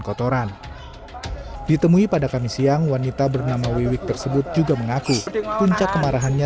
kotoran ditemui pada kamis siang wanita bernama wiwik tersebut juga mengaku puncak kemarahannya